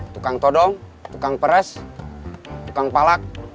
tukang todong tukang peres tukang palak